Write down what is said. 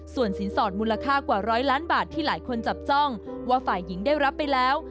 ส่วนสินสอดมูลค่ากว่าร้อยล้านบาทที่หลายคนจับจ้องว่าฝ่ายหญิงได้รับไปแล้ว